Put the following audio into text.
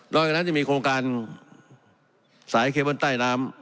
จากนั้นจะมีโครงการสายเคเบิ้ลใต้น้ำ